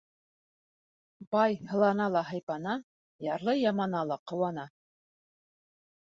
Бай һылана ла һыйпана, ярлы ямана ла ҡыуана.